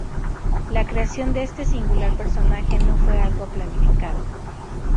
La creación de este singular personaje no fue algo planificado.